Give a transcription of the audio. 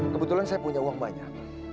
kebetulan saya punya uang banyak